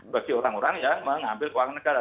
bagi orang orang yang mengambil keuangan negara